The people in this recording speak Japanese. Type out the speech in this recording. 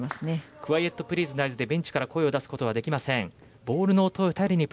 クワイエットプリーズの合図でベンチから声を出すことができません。